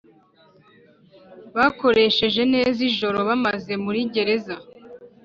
Bakoresheje neza ijoro bamaze muri gereza